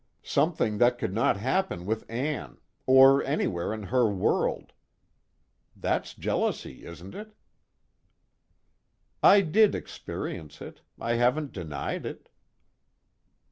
'Something that could not happen with Ann. Or anywhere in her world.' That's jealousy, isn't it?" "I did experience it. I haven't denied it."